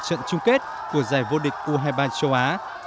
trận chung kết của giải vô địch u hai mươi ba châu á